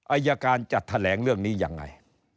อายการจะแถลงเรื่องนี้ยังไง